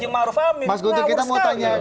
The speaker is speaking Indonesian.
mas guntung kita mau tanya